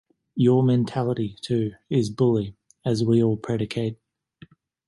Your mentality, too, is bully, as we all predicate.